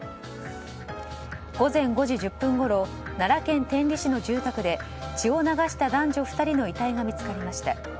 午前５時１０分ごろ奈良県天理市の住宅で血を流した男女２人の遺体が見つかりました。